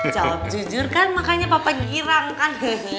jawab jujur kan makanya papa ngirang kan